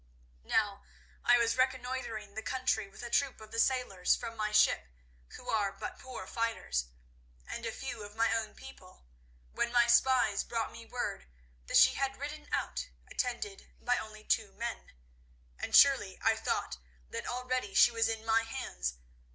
Now I was reconnoitring the country with a troop of the sailors from my ship who are but poor fighters, and a few of my own people, when my spies brought me word that she had ridden out attended by only two men, and surely I thought that already she was in my hands.